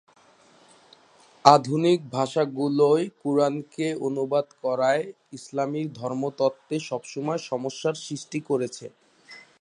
আধুনিক ভাষাগুলোয় কুরআনকে অনুবাদ করা ইসলামী ধর্মতত্ত্বে সবসময় সমস্যার সৃষ্টি করেছে।